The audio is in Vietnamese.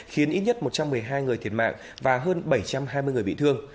khiến ít nhất một trăm một mươi hai người thiệt mạng và hơn bảy trăm hai mươi người bị thương